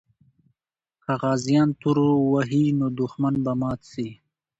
که غازیان تورو وهي، نو دښمن به مات سي.